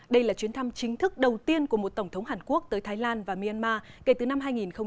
đây là chuyến thăm chính thức đầu tiên của một tổng thống hàn quốc tới thái lan và myanmar kể từ năm hai nghìn một mươi một